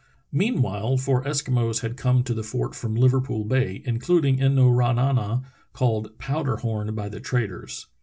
Mean while four Eskimos had come to the fort from Liverpool Bay, including In no ra na na, called Powder Horn by the traders.